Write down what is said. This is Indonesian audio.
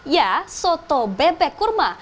ya soto bebek kurma